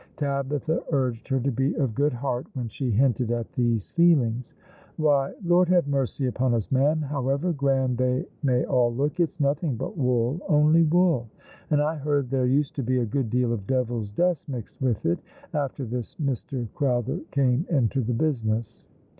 Tabitha urged her to be of good heart when she hinted at these feelings. " Why, Lord have mercy upon u.?, ma'am, however grand they may all look, it's nothing but wool — only wool ; and I heard there used to be a good deal of devil's dust mixed with it, after this Mr. Crowther came into the business."